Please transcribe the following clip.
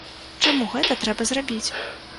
Чаму гэта трэба зрабіць?